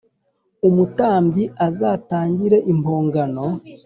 Umutambyi azatangire impongano